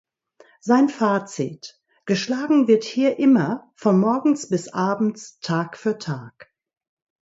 Sein Fazit: „Geschlagen wird hier immer, von morgens bis abends, Tag für Tag.